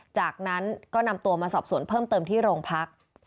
จากนั้นก็นำตัวมาสอบสวนเพิ่มเติมที่โรงพัก